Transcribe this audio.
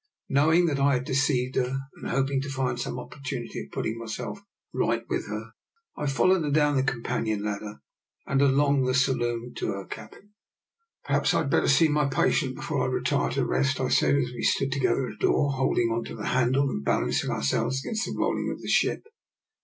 Knowing that I had deceived her, and hoping to find some opportunity of putting myself right with her, I followed her down the companion ladder and along the saloon to her cabin. " Perhaps I had better see my patient be fore I retire to rest," I said as we stood to gether at the door, holding on to the hand rail and balancing ourselves against the roll ing of the ship.